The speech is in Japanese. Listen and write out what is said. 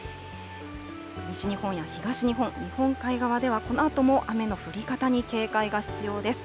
西日本や東日本、日本海側では、このあとも雨の降り方に警戒が必要です。